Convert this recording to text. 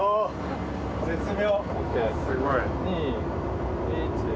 絶妙。